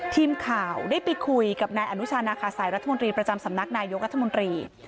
ทีมข่าวได้ไปคุยกับนายอนุชานาคาสัยรัฐมนตรีประจำสำนักนายกรัฐมนตรี